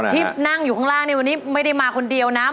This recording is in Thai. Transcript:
ที่นั่งอยู่ข้างล่างในวันนี้ไม่ได้มาคนเดียวนะ